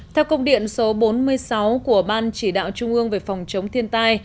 theo công điện số bốn mươi sáu của ban chỉ đạo trung ương về phòng chống thiên tai